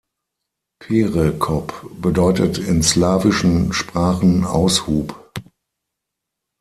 Perekop bedeutet in slawischen Sprachen „Aushub“.